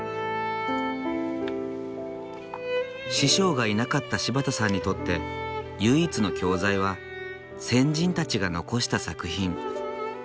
師匠がいなかった柴田さんにとって唯一の教材は先人たちが残した作品。